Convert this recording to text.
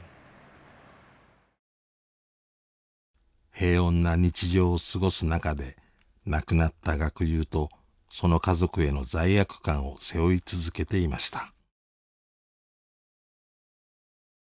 平穏な日常を過ごす中で亡くなった学友とその家族への罪悪感を背負い続けていました。